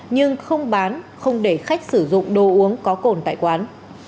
nhưng không bán không để khách sử dụng đồ uống có cồn tại quán